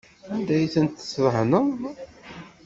Anda ay tent-tdehneḍ?